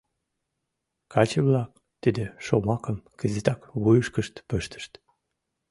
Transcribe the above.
Каче-влак тиде шомакым кызытак вуйышкышт пыштышт.